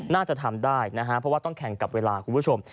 น่าจะทำได้นะฮะเพราะว่าต้องแข่งกับเวลาคุณผู้ชม